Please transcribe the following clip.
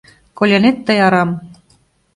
Колянет тый арам.